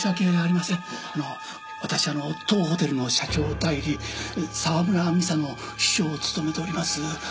あの私あの当ホテルの社長代理・沢村美沙の秘書を務めております